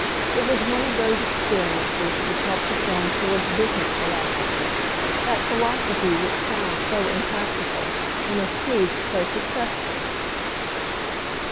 It was one of those ex periences which helped to form Ford's business philosophy, that philosophy which sounds so im practical and has proved so successful.